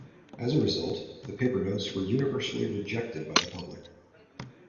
As a result, the paper notes were universally rejected by the public.